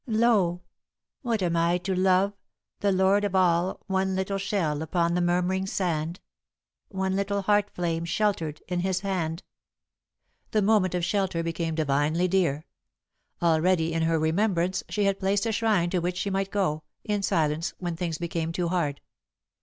"Lo, what am I to Love, the Lord of all One little shell upon the murmuring sand, One little heart flame sheltered in his hand " The moment of shelter became divinely dear. Already, in her remembrance, she had placed a shrine to which she might go, in silence, when things became too hard.